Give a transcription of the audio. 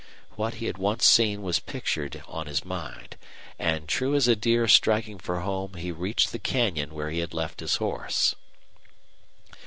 What he had once seen was pictured on his mind. And, true as a deer striking for home, he reached the canyon where he had left his horse.